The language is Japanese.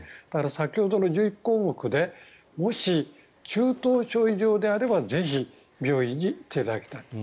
先ほどの１１項目でもし、中等症以上であればぜひ病院に行っていただきたい。